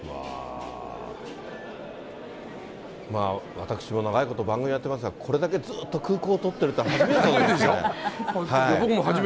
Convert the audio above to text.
私も長いこと番組やってますが、これだけずっと空港撮ってるって初めてだと思いますね。